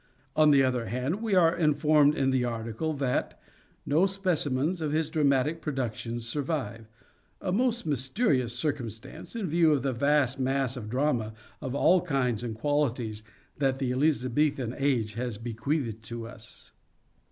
On the other hand, we are informed in the article that " no specimens of his dramatic productions survive "— a most mysterious circumstance in view of the vast mass of drama of all kinds and qualities that the Elizabethan age has bequeathed to us.